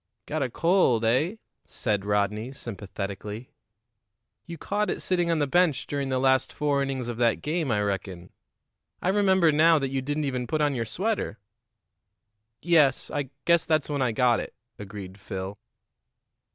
"Got a cold, eh?" said Rodney sympathetically. "You caught it sitting on the bench during the last four innings of that game, I reckon. I remember now that you didn't even put on your sweater." "Yes, I guess that's when I got it," agreed Phil.